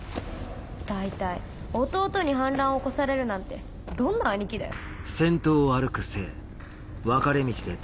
大体弟に反乱を起こされるなんてどんな兄貴だよ。